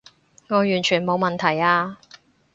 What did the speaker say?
我完全冇問題啊